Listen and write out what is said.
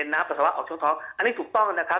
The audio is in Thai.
ปัสสาวะออกช่วงท้องอันนี้ถูกต้องนะครับ